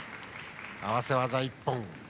合わせ技一本。